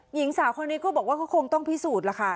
หญิงสาวคนนี้ก็บอกว่าก็คงต้องพิสูจน์ล่ะค่ะ